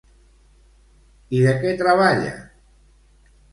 I de què treballa?